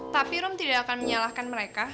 tapi rom tidak akan menyalahkan mereka